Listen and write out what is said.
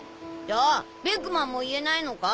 じゃあベックマンも言えないのか？